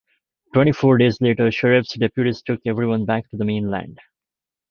Twenty-four days later, sheriff's deputies took everyone back to the mainland.